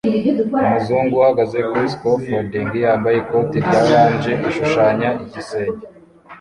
Umuzungu uhagaze kuri scafolding yambaye ikoti rya orange ashushanya igisenge